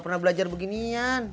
gimana belajar beginian